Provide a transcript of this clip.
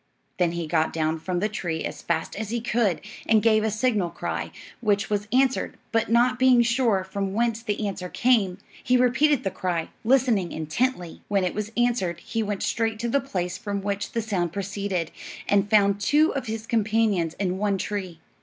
Then he got down from the tree as fast as he could and gave a signal cry, which was answered; but not being sure from whence the answer came, he repeated the cry, listening intently. When it was answered he went straight to the place from which the sound proceeded, and found two of his companions in one tree.